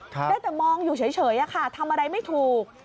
ได้แต่มองอยู่เฉยค่ะทำอะไรไม่ถูก